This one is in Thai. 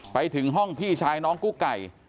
ไปถึงห้องพี่ชายน้องกุ๊กไก่